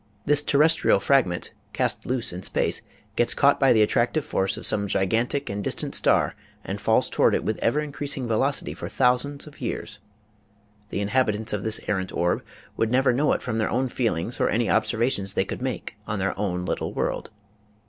This ter restrial fragment, cast loose in space, gets caught by the attractive force of some gigantic and distant star and falls toward it with ever increasing velocity for thousands of years. The inhabitants of this errant orb would never know it from their own feelings or any observations they could make on their own little world.